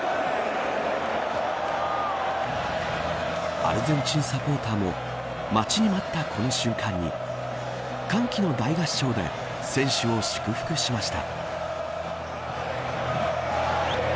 アルゼンチンサポーターも待ちに待ったこの瞬間に歓喜の大合唱で選手を祝福しました。